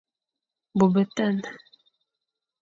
Bô betan,